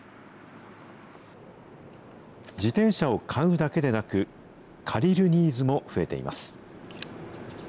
自転車を買うだけでなく、借りるニーズも増えています。